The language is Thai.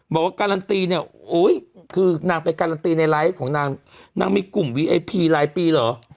บอกว่าการันตีเนี่ยโอ๊ยคือนางไปการันตีในไลฟ์ของนางนางมีกลุ่มวีไอพีรายปีเหรอ